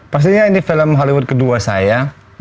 pastinya ini film hollywood kedua saya